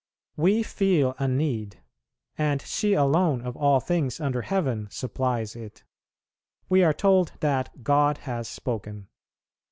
We feel a need, and she alone of all things under heaven supplies it. We are told that God has spoken.